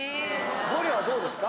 ゴリはどうですか？